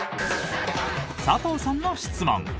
佐藤さんの質問。